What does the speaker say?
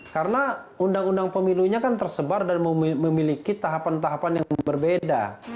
karena undang undang pemilunya kan tersebar dan memiliki tahapan tahapan yang berbeda